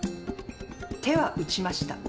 手は打ちました。